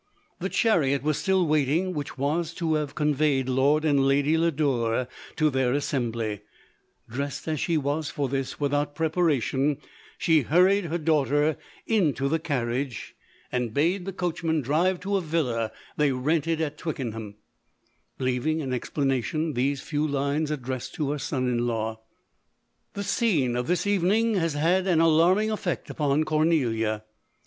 The chariot was still waiting which was to have con veyed Lord and Lady Lodore to their assembly ; dressed as she was for this, without preparation, she hurried her daughter into the carriage, and LODORK. 137 bade the coachman drive to a villa they rented at Twickenham ; leaving, in explanation, these few lines addressed to her son in law. " The scene of this evening has had an alarming effect upon Cornelia.